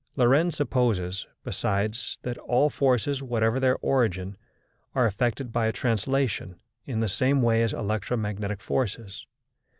Lorentz supposes, besides, that all forces, whatever their origin, are affected by a translation in the same way as electromagnetic forces.